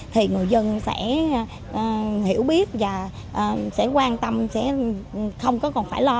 thì người dân sẽ hiểu biết và sẽ quan tâm không còn phải lo